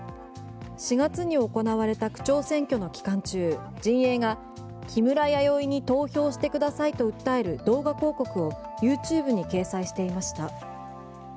４月に行われた区長選挙の期間中陣営が、木村弥生に投票してくださいと訴える動画広告をＹｏｕＴｕｂｅに掲載していました。